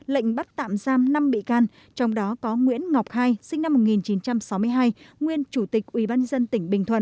lệnh bắt tạm giam năm bị can trong đó có nguyễn ngọc ii sinh năm một nghìn chín trăm sáu mươi hai nguyên chủ tịch ủy ban nhân dân tỉnh bình thuận